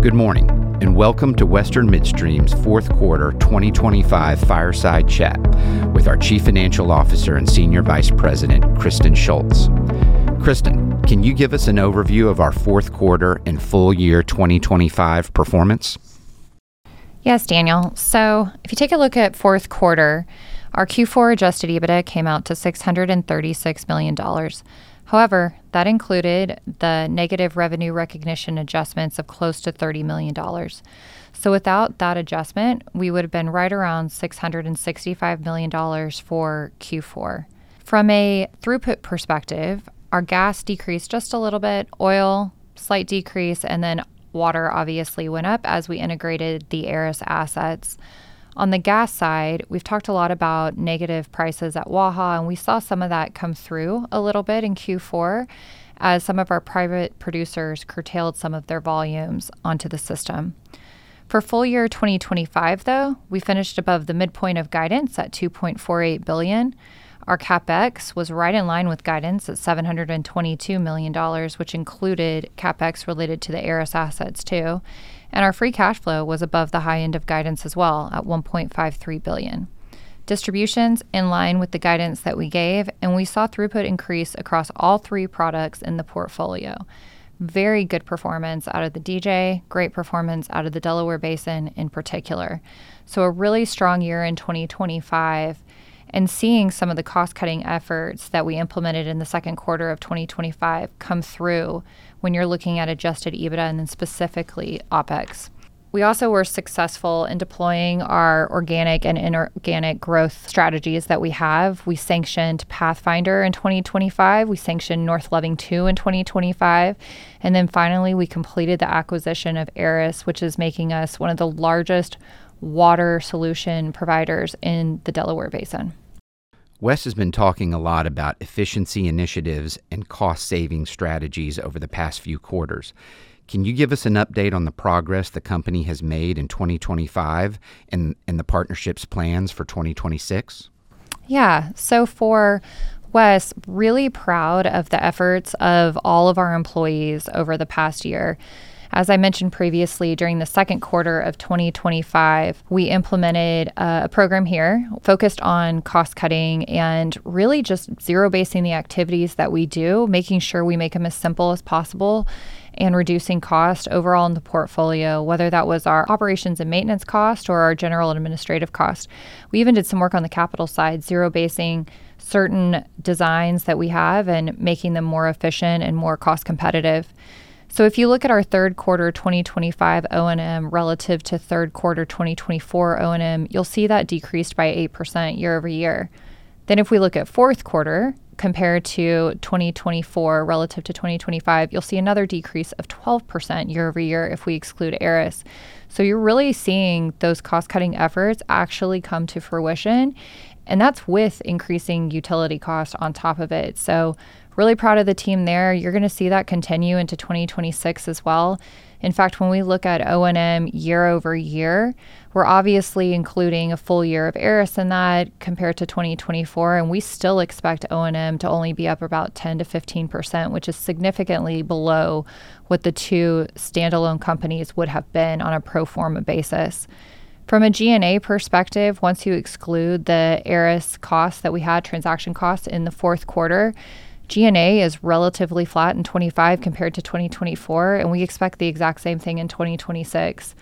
Good morning, welcome to Western Midstream's fourth quarter 2025 fireside chat with our Chief Financial Officer and Senior Vice President, Kristen Schultz. Kristen, can you give us an overview of our fourth quarter and full year 2025 performance? Yes, Daniel. If you take a look at fourth quarter, our Q4 Adjusted EBITDA came out to $636 million. However, that included the negative revenue recognition adjustments of close to $30 million. Without that adjustment, we would have been right around $665 million for Q4. From a throughput perspective, our gas decreased just a little bit, oil slight decrease, and then water obviously went up as we integrated the Aris assets. On the gas side, we've talked a lot about negative prices at Waha, and we saw some of that come through a little bit in Q4 as some of our private producers curtailed some of their volumes onto the system. For full year 2025, though, we finished above the midpoint of guidance at $2.48 billion. Our CapEx was right in line with guidance at $722 million, which included CapEx related to the Aris assets too, and our Free Cash Flow was above the high end of guidance as well, at $1.53 billion. Distributions in line with the guidance that we gave. We saw throughput increase across all three products in the portfolio. Very good performance out of the DJ, great performance out of the Delaware Basin in particular. A really strong year in 2025, and seeing some of the cost-cutting efforts that we implemented in the second quarter of 2025 come through when you're looking at Adjusted EBITDA and then specifically OpEx. We also were successful in deploying our organic and inorganic growth strategies that we have. We sanctioned Pathfinder in 2025. We sanctioned North Loving II in 2025, and then finally, we completed the acquisition of Aris, which is making us one of the largest water solution providers in the Delaware Basin. WES has been talking a lot about efficiency initiatives and cost-saving strategies over the past few quarters. Can you give us an update on the progress the company has made in 2025 and the partnership's plans for 2026? For WES, really proud of the efforts of all of our employees over the past year. As I mentioned previously, during the second quarter of 2025, we implemented a program here focused on cost-cutting and really just zero-basing the activities that we do, making sure we make them as simple as possible and reducing cost overall in the portfolio, whether that was our operations and maintenance cost or our general administrative cost. We even did some work on the capital side, zero-basing certain designs that we have and making them more efficient and more cost-competitive. If you look at our third quarter 2025 O&M relative to third quarter 2024 O&M, you'll see that decreased by 8% year-over-year. If we look at 4th quarter compared to 2024 relative to 2025, you'll see another decrease of 12% year-over-year if we exclude Aris. You're really seeing those cost-cutting efforts actually come to fruition, and that's with increasing utility costs on top of it. Really proud of the team there. You're gonna see that continue into 2026 as well. In fact, when we look at O&M year-over-year, we're obviously including a full year of Aris in that compared to 2024, and we still expect O&M to only be up about 10%-15%, which is significantly below what the two standalone companies would have been on a pro forma basis. From a G&A perspective, once you exclude the Aris costs that we had, transaction costs in the fourth quarter, G&A is relatively flat in 2025 compared to 2024. We expect the exact same thing in 2026.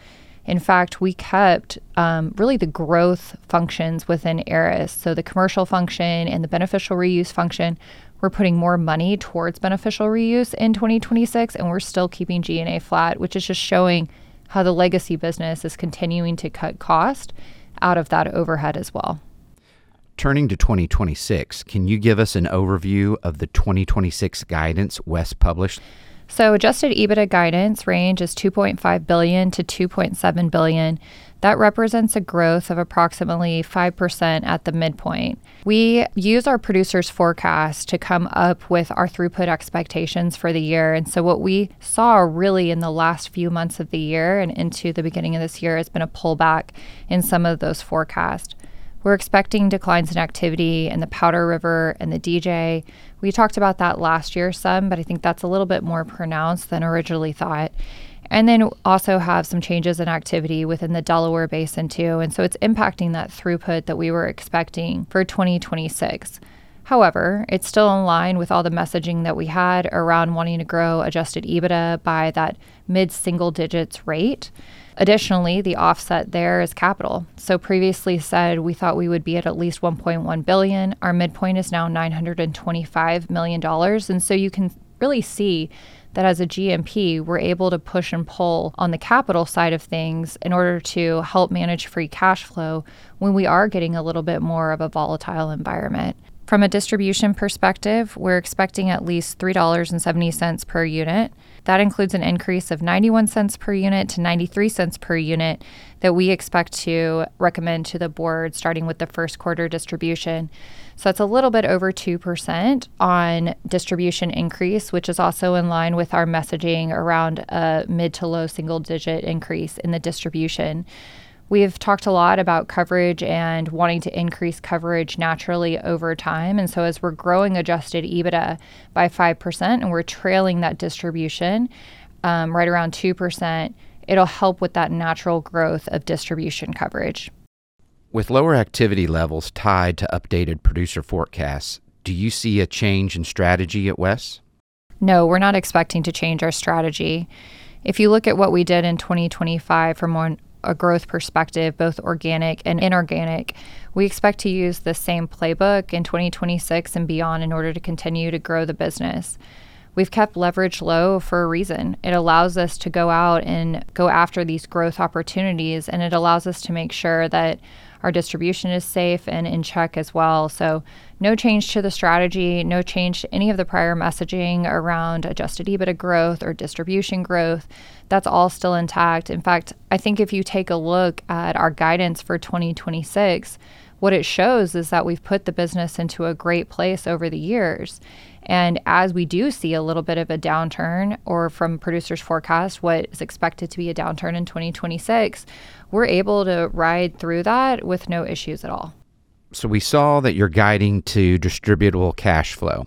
In fact, we kept really the growth functions within Aris. The commercial function and the Beneficial Reuse function, we're putting more money towards Beneficial Reuse in 2026, and we're still keeping G&A flat, which is just showing how the legacy business is continuing to cut cost out of that overhead as well. Turning to 2026, can you give us an overview of the 2026 guidance WES published? Adjusted EBITDA guidance range is $2.5 billion-$2.7 billion. That represents a growth of approximately 5% at the midpoint. We use our producers' forecast to come up with our throughput expectations for the year, and so what we saw really in the last few months of the year and into the beginning of this year has been a pullback in some of those forecasts. We're expecting declines in activity in the Powder River and the DJ. We talked about that last year some, but I think that's a little bit more pronounced than originally thought, and then also have some changes in activity within the Delaware Basin, too, and so it's impacting that throughput that we were expecting for 2026. It's still in line with all the messaging that we had around wanting to grow Adjusted EBITDA by that mid-single digits rate. Additionally, the offset there is capital. Previously said, we thought we would be at least $1.1 billion. Our midpoint is now $925 million, you can really see that as a GMP, we're able to push and pull on the capital side of things in order to help manage Free Cash Flow when we are getting a little bit more of a volatile environment. From a distribution perspective, we're expecting at least $3.70 per unit. That includes an increase of $0.91 per unit to $0.93 per unit that we expect to recommend to the board, starting with the first quarter distribution. It's a little bit over 2% on distribution increase, which is also in line with our messaging around a mid to low single-digit increase in the distribution. We have talked a lot about coverage and wanting to increase coverage naturally over time, and so as we're growing Adjusted EBITDA by 5%, and we're trailing that distribution, right around 2%, it'll help with that natural growth of Distribution Coverage.... With lower activity levels tied to updated producer forecasts, do you see a change in strategy at WES? No, we're not expecting to change our strategy. If you look at what we did in 2025 from more a growth perspective, both organic and inorganic, we expect to use the same playbook in 2026 and beyond in order to continue to grow the business. We've kept leverage low for a reason. It allows us to go out and go after these growth opportunities, and it allows us to make sure that our distribution is safe and in check as well. No change to the strategy, no change to any of the prior messaging around Adjusted EBITDA growth or distribution growth. That's all still intact. In fact, I think if you take a look at our guidance for 2026, what it shows is that we've put the business into a great place over the years, and as we do see a little bit of a downturn or from producers' forecast, what is expected to be a downturn in 2026, we're able to ride through that with no issues at all. We saw that you're guiding to Distributable Cash Flow.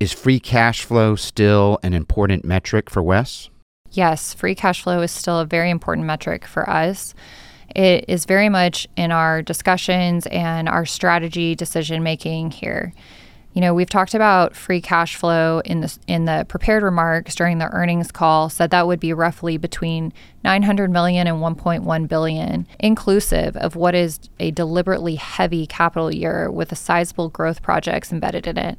Is Free Cash Flow still an important metric for WES? Yes, Free Cash Flow is still a very important metric for us. It is very much in our discussions and our strategy decision-making here. You know, we've talked about Free Cash Flow in the prepared remarks during the earnings call, said that would be roughly between $900 million and $1.1 billion, inclusive of what is a deliberately heavy capital year with sizable growth projects embedded in it.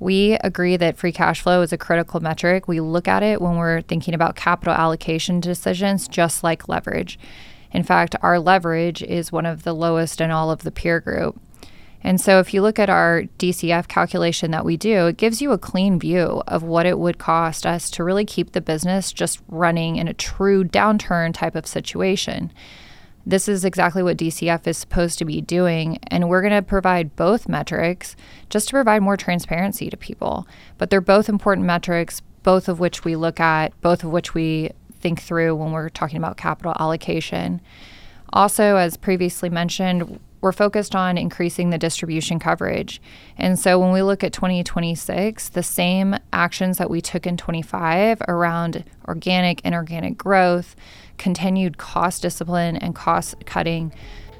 We agree that Free Cash Flow is a critical metric. We look at it when we're thinking about capital allocation decisions, just like leverage. In fact, our leverage is one of the lowest in all of the peer group. If you look at our DCF calculation that we do, it gives you a clean view of what it would cost us to really keep the business just running in a true downturn type of situation. This is exactly what DCF is supposed to be doing, and we're gonna provide both metrics just to provide more transparency to people, but they're both important metrics, both of which we look at, both of which we think through when we're talking about capital allocation. As previously mentioned, we're focused on increasing the distribution coverage, and so when we look at 2026, the same actions that we took in 2025 around organic and inorganic growth, continued cost discipline, and cost cutting,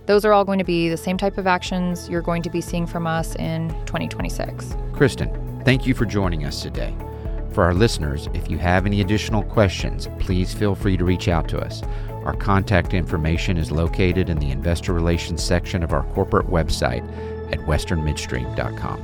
those are all going to be the same type of actions you're going to be seeing from us in 2026. Kristen, thank you for joining us today. For our listeners, if you have any additional questions, please feel free to reach out to us. Our contact information is located in the Investor Relations section of our corporate website at westernmidstream.com.